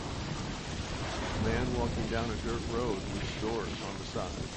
Man walking down a dirt road with stores on the side